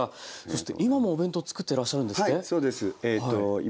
そして今もお弁当作ってらっしゃるんですって？